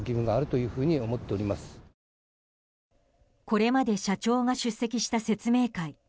これまで社長が出席した説明会。